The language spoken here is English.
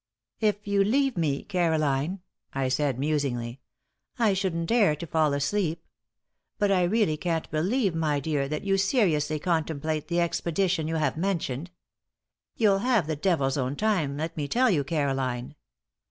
"If you leave me, Caroline," I said, musingly, "I shouldn't dare to fall asleep. But I really can't believe, my dear, that you seriously contemplate the expedition you have mentioned. You'll have the devil's own time, let me tell you, Caroline.